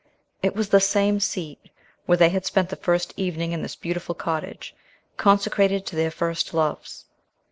It was the same seat where they had spent the first evening in this beautiful cottage, consecrated to their first loves.